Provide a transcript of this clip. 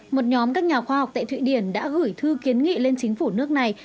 một nhóm các nhà khoa học tại thụy điển đã gửi thư kiến nghị lên chính phủ nước này